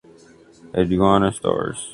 Aduana Stars